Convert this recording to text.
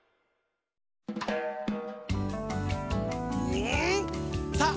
うん！さあ